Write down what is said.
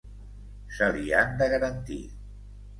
Se li han de garantir.